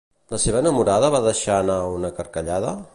La seva enamorada va deixar anar una carcallada?